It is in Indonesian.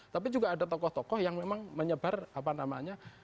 tapi juga ada tokoh tokoh yang memang menyebar apa namanya